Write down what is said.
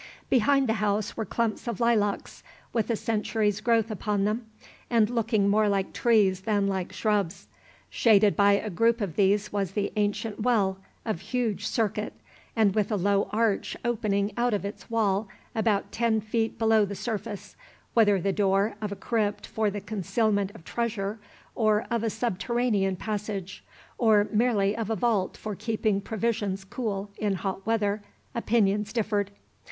Behind the house were clumps of lilacs with a century's growth upon them, and looking more like trees than like shrubs. Shaded by a group of these was the ancient well, of huge circuit, and with a low arch opening out of its wall about ten feet below the surface, whether the door of a crypt for the concealment of treasure, or of a subterranean passage, or merely of a vault for keeping provisions cool in hot weather, opinions differed.